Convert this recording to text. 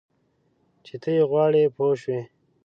چې ته یې غواړې پوه شوې!.